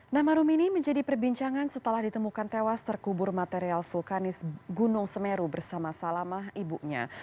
nama rumini menjadi perbincangan setelah ditemukan tewas terkubur material vulkanis gunung semeru bersama salamah ibunya